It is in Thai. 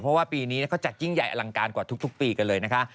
เพราะว่าปีนี้เขาจัดยิ่งใหญ่อลังการกว่าทุกปีกันเลยนะคะ